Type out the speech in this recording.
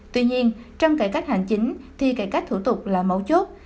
tuy nhiên trong cải cách hành chính thì cải cách thủ tục là mấu chốt